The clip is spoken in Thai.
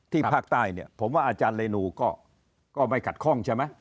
ภาคใต้เนี่ยผมว่าอาจารย์เรนูก็ไม่ขัดข้องใช่ไหม